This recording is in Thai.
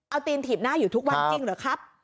เอาตีนถีบหน้าอยู่ทุกวันจริงเหรอครับ